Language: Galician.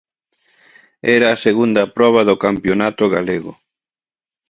Era a segunda proba do campionato galego.